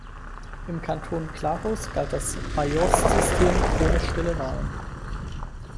Im Kanton Glarus galt das Majorzsystem ohne stille Wahlen.